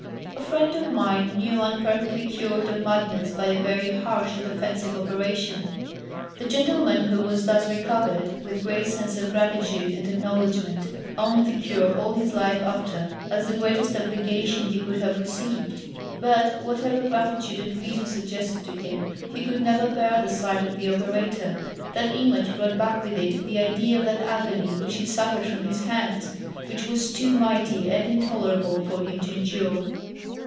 A friend of mine knew one perfectly cured of madness by a very harsh and offensive operation. The gentleman who was thus recovered, with great sense of gratitude and acknowledgment owned the cure all his life after, as the greatest obligation he could have received; but, whatever gratitude and reason suggested to him, he could never bear the sight of the operator: that image brought back with it the idea of that agony which he suffered from his hands, which was too mighty and intolerable for him to endure.